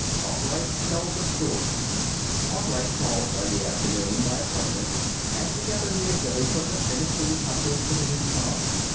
ARKWRIGHT TELLS A STORY Arkwright called Monday afternoon by appointment; and together he and Billy put the finishing touches to the new song.